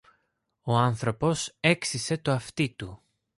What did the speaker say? Ο άνθρωπος έξυσε το αυτί του